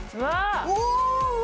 うわ！